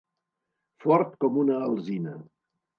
Fort com una alzina.